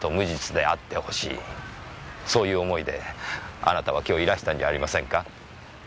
そういう思いであなたは今日いらしたんじゃありませんか？